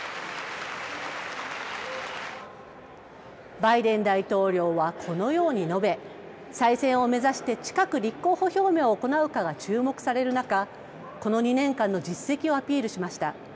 バイデン大統領はこのように述べ、再選を目指して近く立候補表明を行うかが注目される中、この２年間の実績をアピールしました。